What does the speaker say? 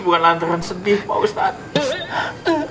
bukan lantaran sedih pak ustadz